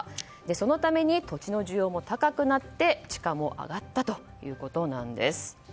そのために土地の需要も高くなって地価も上がったということです。